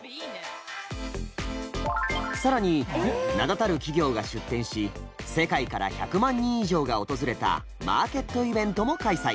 更に名だたる企業が出店し世界から１００万人以上が訪れたマーケットイベントも開催。